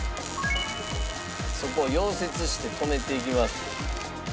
そこを溶接して留めていきます。